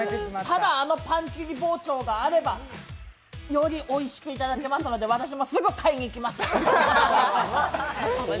ただ、あのパン切り包丁があればよりおいしく頂けますので、私もすぐ買いに行きます。